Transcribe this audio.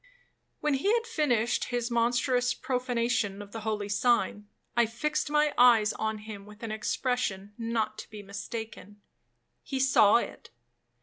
'When he had finished his monstrous profanation of the holy sign, I fixed my eyes on him with an expression not to be mistaken. He saw it.